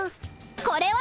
これは？